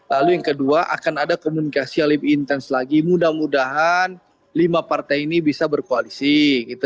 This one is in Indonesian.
lalu yang kedua akan ada komunikasi yang lebih intens lagi mudah mudahan lima partai ini bisa berkoalisi gitu